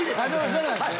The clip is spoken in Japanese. そうなんですね。